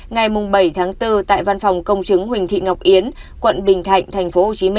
ngày bảy tháng bốn tại văn phòng công chứng huỳnh thị ngọc yến quận bình thạnh tp hcm